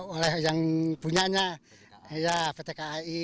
oleh yang punyanya ya pt kai